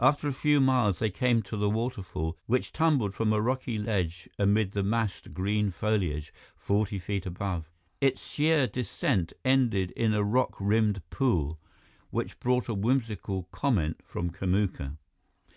After a few miles they came to the waterfall, which tumbled from a rocky ledge amid the massed green foliage, forty feet above. Its sheer descent ended in a rock rimmed pool, which brought a whimsical comment from Kamuka.